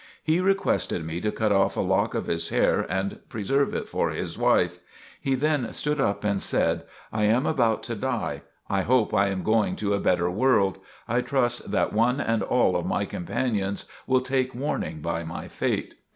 He requested me to cut off a lock of his hair and preserve it for his wife. He then stood up and said: "I am about to die. I hope I am going to a better world. I trust that one and all of my companions will take warning by my fate."